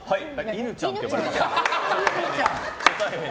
犬ちゃんって呼ばれてます？